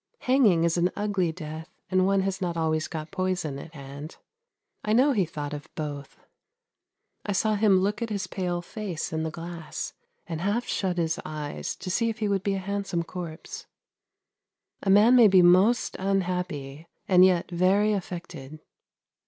Hanging is an ugly death, and one has not always got poison at hand. I know he thought of both. I saw him look at his pale face in the glass, and half shut his eyes to see if he would be a handsome corpse. A man may be most unhappy and yet very affected.